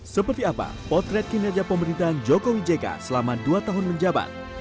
seperti apa potret kinerja pemerintahan jokowi jk selama dua tahun menjabat